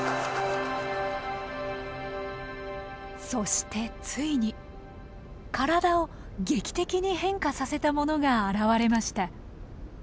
そしてついに体を劇的に変化させたものが現れました。